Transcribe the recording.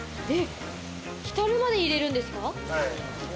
浸るまで入れるんですか？